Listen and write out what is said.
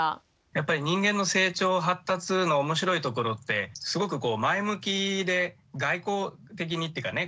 やっぱり人間の成長発達の面白いところってすごくこう前向きで外交的にっていうかね